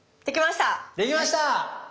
できました。